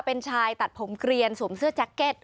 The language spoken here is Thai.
เป็นชายตัดผมเกลียนสวมเสื้อแจ็คเก็ต